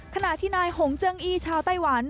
ขณะที่นายหงเจืองอี้ชาวไต้หวัน